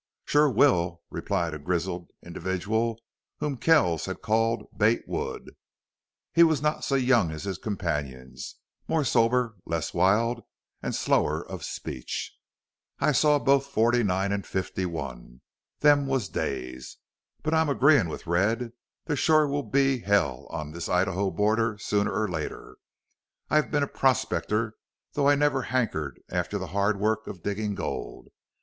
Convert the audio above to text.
"Shore will," replied a grizzled individual whom Kells had called Bate Wood. He was not so young as his companions, more sober, less wild, and slower of speech. "I saw both '49 and '51. Them was days! But I'm agreein' with Red. There shore will be hell on this Idaho border sooner or later. I've been a prospector, though I never hankered after the hard work of diggin' gold.